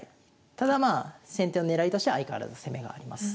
ただまあ先手の狙いとしては相変わらず攻めがあります。